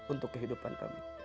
untuk kehidupan kami